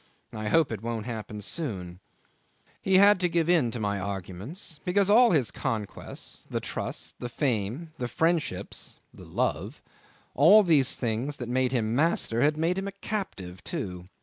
I hope it won't happen soon. ..." He had to give in to my arguments, because all his conquests, the trust, the fame, the friendships, the love all these things that made him master had made him a captive, too.